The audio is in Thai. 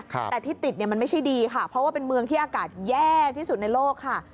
แต่ที่ติดเนี่ยมันไม่ใช่ดีค่ะเพราะว่าเป็นเมืองที่อากาศแย่ที่สุดในโลกค่ะ